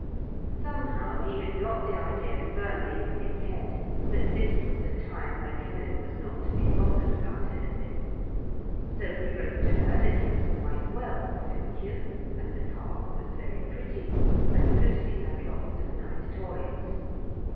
Somehow he had got the idea firmly in his head that this was a time when Helen was not to be bothered about anything; so he wrote to her that he was quite well, thank you, and the park was very pretty and Lucy had lots of nice toys.